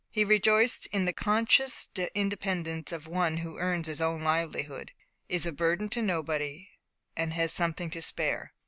He rejoiced in the conscious independence of one who earns his own livelihood, is a burden to nobody, and has something to spare.